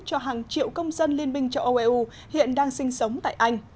cho hàng triệu công dân liên minh cho eu hiện đang sinh sống tại anh